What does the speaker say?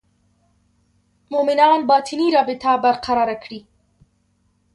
مومنان باطني رابطه برقراره کړي.